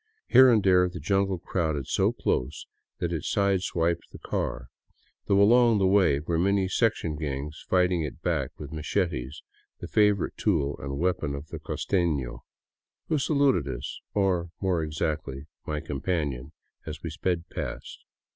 Here and there the jungle crowded so close that it side swiped the car, though along the way were many sectjon gangs fighting it back with machetes, the favorite tool and weapon of the costeno, who saluted us — or, more exactly, my com panion— as we sped past.